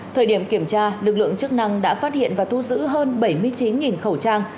thời điểm kiểm tra lực lượng chức năng đã phát hiện và thu giữ hơn bảy mươi chín khẩu trang